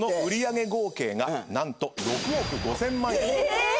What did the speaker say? えっ！